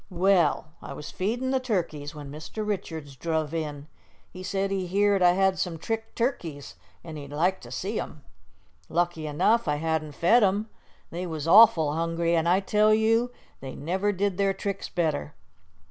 "Well, I was feedin' the turkeys when Mr. Richards druv in. He said he heered I had some trick turkeys, an' he'd like to see 'em. Lucky enough, I hadn't fed 'em; they was awful hungry, an' I tell you they never did their tricks better."